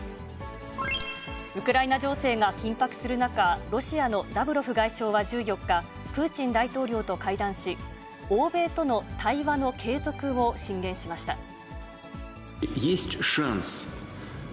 ウクライナ情勢が緊迫する中、ロシアのラブロフ外相は１４日、プーチン大統領と会談し、欧米との対話の継続を進言しました。